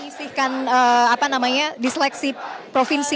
mengisihkan apa namanya di seleksi provinsi